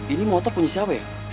ini motor punya siapa ya